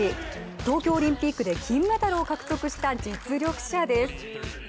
東京オリンピックで金メダルを獲得した実力者です。